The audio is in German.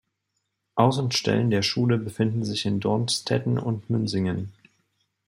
Außenstellen der Schule befinden sich in Dornstetten und Münsingen.